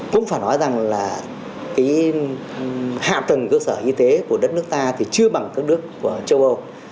cũng phải nói rằng là cái hạ tầng cơ sở y tế của đất nước ta thì chưa bằng các nước của châu âu